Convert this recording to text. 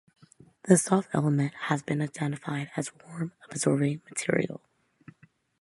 The soft element has been identified as warm absorbing material.